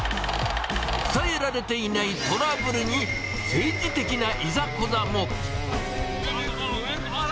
伝えられていないトラブルに、政治的ないざこざも。